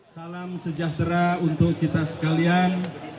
salam sejahtera untuk kita sekalian